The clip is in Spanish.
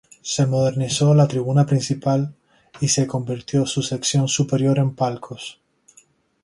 Se modernizó la tribuna principal y se convirtió su sección superior en palcos.